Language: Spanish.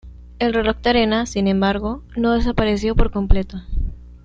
El reloj de arena, sin embargo, no desapareció por completo.